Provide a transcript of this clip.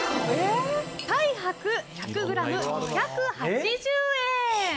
太白、１００ｇ２８０円。